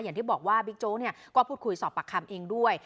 อย่างที่บอกว่าบิ๊กโจ๊กก็พูดคุยสอบปากคำเองด้วย